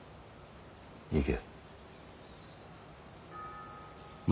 行け。